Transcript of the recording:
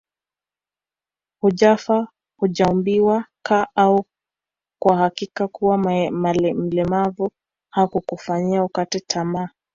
Hujafa hujaumbika ama kwa hakika kuwa mlemavu hakukufanyi ukate tamaa